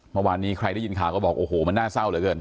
เมื่อวานนี้ใครได้ยินข่าวก็บอกโอ้โหมันน่าเศร้าเหลือเกิน